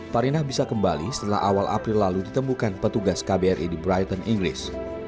parinah bisa kembali setelah awal april lalu ditemukan petugas kbri di brighton inggris